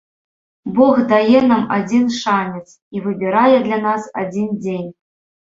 Бог дае нам адзін шанец і выбірае для нас адзін дзень.